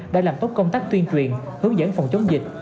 đã làm tốt công tác tuyên truyền hướng dẫn phòng chống dịch